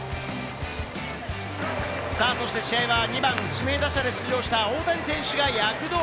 そして試合は２番・指名打者で出場した大谷選手が躍動。